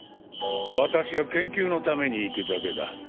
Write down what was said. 私は研究のために行くだけだ。